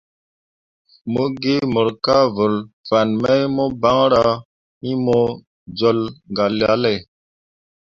Mo gi mor kah vǝl fan mai mo banra bo iŋ mo jol galale.